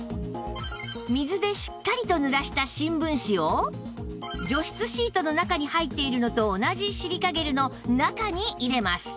水でしっかりと濡らした新聞紙を除湿シートの中に入っているのと同じシリカゲルの中に入れます